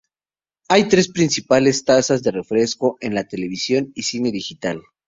Hay tres principales tasas de refresco en la televisión y cine digital.